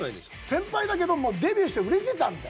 先輩だけどもうデビューして売れてたんで。